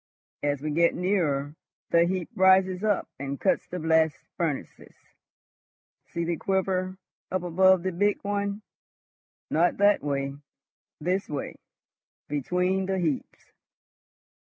As we get nearer, the heap rises up and cuts the blast furnaces. See the quiver up above the big one. Not that way! This way, between the heaps.